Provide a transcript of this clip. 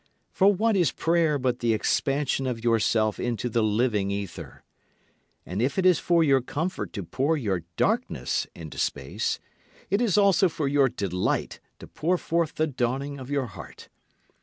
For what is prayer but the expansion of yourself into the living ether? And if it is for your comfort to pour your darkness into space, it is also for your delight to pour forth the dawning of your heart.